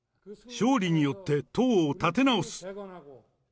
勝利によって党を立て直す。